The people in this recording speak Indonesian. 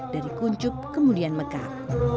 dari kuncup kemudian mekar